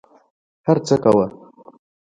هر څه کوه.